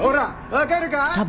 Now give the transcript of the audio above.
わかるか？